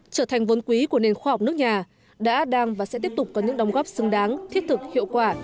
trở thành vốn quý của nền khoa học nước nhà đã đang và sẽ tiếp tục có những đồng góp xứng đáng thiết thực hiệu quả